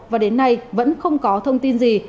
và đến nay vẫn không có thông tin gì